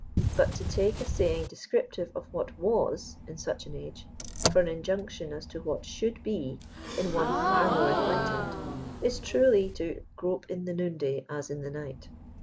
But to take a saying descriptive of what was in such an age, for an injunction as to what should he in one far more enlightened, is truly to " grope in the noon*dfiy as in the night."